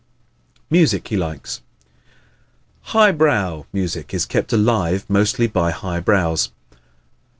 Music He Likes ¶ "Highbrow" music is kept alive mostly by highbrows.